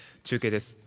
中継です。